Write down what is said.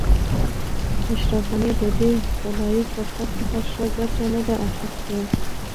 اشرف غني د دې طلایي فرصت څخه ښه ګټه نه ده اخیستې.